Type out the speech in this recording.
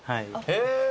へえ。